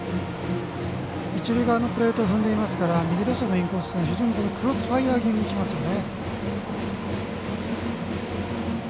一塁側のプレートを踏んでいますから右打者のインコースクロスファイアー気味にきますね。